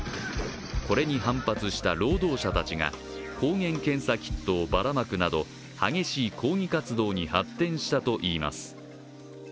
これに反発した労働者たちが抗原検査キットをばらまくなど、激しい抗議活動に発展したといいます。